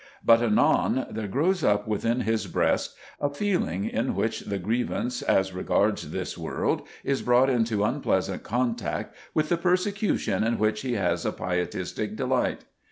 But anon there grows up within his breast a feeling in which the grievance as regards this world is brought into unpleasant contact with the persecution in which he has a pietistic delight.